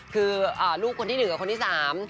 คือลูกคนที่หนึ่งกับคนที่สาม